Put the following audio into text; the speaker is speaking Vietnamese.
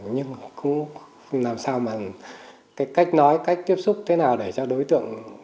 nhưng cũng làm sao mà cái cách nói cách tiếp xúc thế nào để cho đối tượng